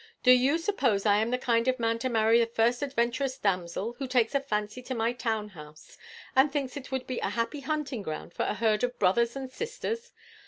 Do you suppose I am the kind of man to marry the first adventurous damsel who takes a fancy to my town house, and thinks it would be a happy hunting ground for a herd of brothers and sisters?